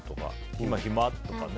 今、暇？とかね。